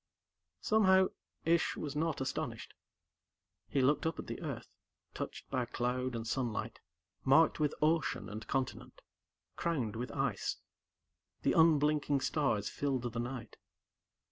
Somehow, Ish was not astonished. He looked up at the Earth, touched by cloud and sunlight, marked with ocean and continent, crowned with ice. The unblinking stars filled the night.